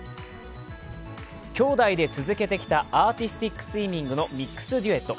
きょうだいで続けてきたアーティスティックスイミングのミックスデュエット。